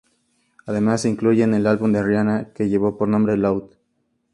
Además, se incluye en el álbum de Rihanna que lleva por nombre Loud.